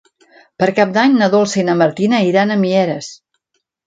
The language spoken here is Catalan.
Per Cap d'Any na Dolça i na Martina iran a Mieres.